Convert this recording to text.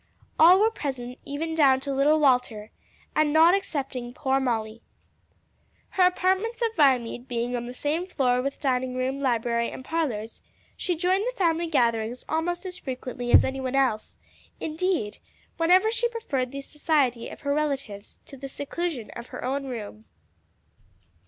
All were present even down to little Walter, and not excepting poor Molly. Her apartments at Viamede being on the same floor with dining room, library and parlors, she joined the family gatherings almost as frequently as any one else indeed whenever she preferred the society of her relatives to the seclusion of her own room.